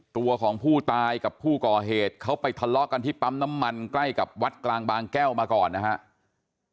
ตัวของผู้ตายกับผู้ก่อเหตุเขาไปทะเลาะกันที่ปั๊มน้ำมันใกล้กับวัดกลางบางแก้วมาก่อนนะครับ